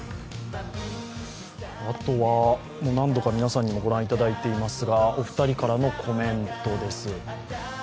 あとは何度か皆さんにも御覧いただいていますがお二人からのコメントです。